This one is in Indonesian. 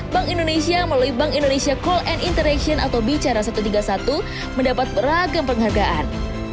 bank indonesia melalui bank indonesia call and interaction atau bicara satu ratus tiga puluh satu mendapat beragam penghargaan